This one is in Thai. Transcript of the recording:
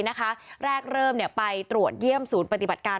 ตัดการเริ่มในการปรับปรกบาล